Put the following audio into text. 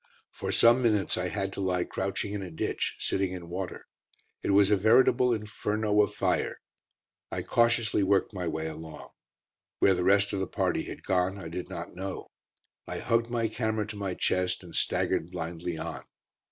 For some minutes I had to lie crouching in a ditch, sitting in water. It was a veritable inferno of fire. I cautiously worked my way along. Where the rest of the party had gone I did not know. I hugged my camera to my chest and staggered blindly on.